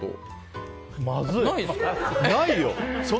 ないよ。